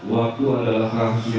waktu adalah rahasia